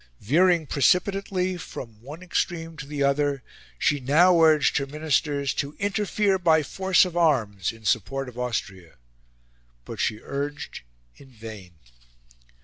Veering precipitately from one extreme to the other, she now urged her Ministers to interfere by force of arms in support of Austria. But she urged in vain.